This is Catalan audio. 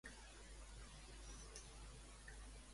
Contra que havia protestat Puigdemont?